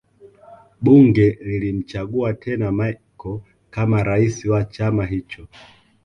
Bunge lilimchagua tena Machel kama Rais wa chama hicho